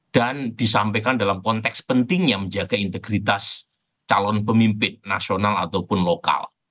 dan disampaikan dalam konteks penting yang menjaga integritas calon pemimpin nasional ataupun lokal